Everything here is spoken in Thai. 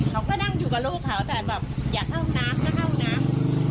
เขาก็นั่งอยู่กับลูกเขาแต่แบบอยากเข้าน้ำก็เข้าน้ำ